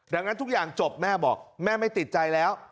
ดังนั้นทุกอย่างจบแม่บอกแม่ไม่ติดใจแล้ว